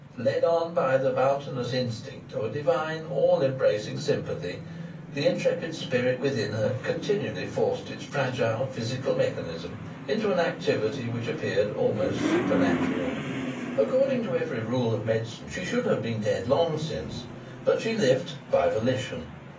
Led on by the bounteous instinct of a divine, all embracing sympathy, the intrepid spirit within her continually forced its fragile physical mechanism into an activity which appeared almost supernatural. According to every rule of medicine she should have been dead long since; but she lived by volition.